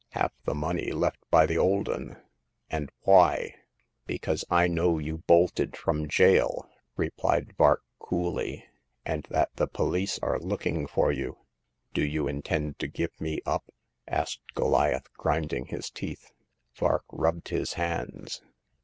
Half the money left by the old 'un ! And why ?"Because I know you bolted from jail," re plied Vark, coolly, " and that the police are look ing for you." Do you intend to give me up ?" asked Go liath, grinding his teeth. Vark rubbed his hands.